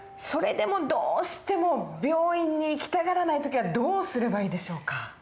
それでもどうしても病院に行きたがらない時はどうすればいいでしょうか？